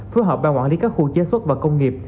phối hợp ban quản lý các khu chế xuất và công nghiệp